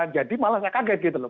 jadi malah saya kaget gitu loh